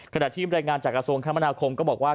ขณะที่บรรยายงานจากกระทรวงคมนาคมก็บอกว่า